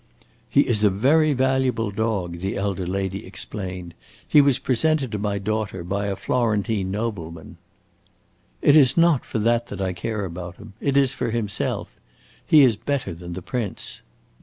"He is a very valuable dog," the elder lady explained. "He was presented to my daughter by a Florentine nobleman." "It is not for that I care about him. It is for himself. He is better than the prince."